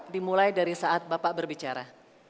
dimulai dari saat bapak berbicara